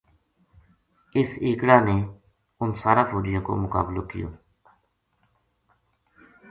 اس اِکڑا نے اُنھ ساراں فوجیاں کو مقابلو کیو